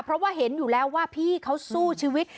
เพราะว่าเห็นอยู่แล้วว่าพี่เขาสู้ชีวิต